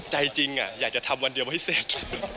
ใจจริงอยากจะทำวันเดียวให้เสร็จ